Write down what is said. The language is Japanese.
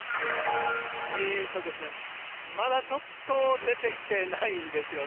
まだちょっと出てきてないんですよね。